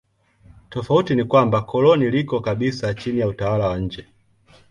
Tofauti ni kwamba koloni liko kabisa chini ya utawala wa nje.